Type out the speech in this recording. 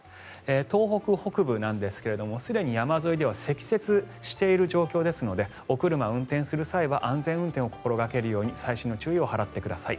東北北部なんですがすでに山沿いでは積雪している状況ですのでお車運転する際は安全運転を心掛けるように細心の注意を払ってください。